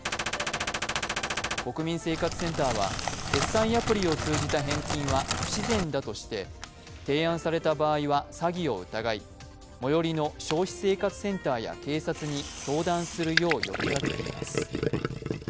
国民生活センターは、決済アプリを通じた返金は不自然だとして提案された場合は詐欺を疑い最寄りの消費生活センターや警察に相談するよう呼びかけています。